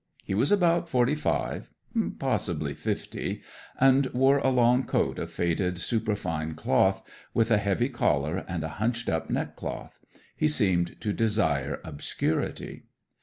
'He was about forty five possibly fifty and wore a long coat of faded superfine cloth, with a heavy collar, and a hunched up neckcloth. He seemed to desire obscurity.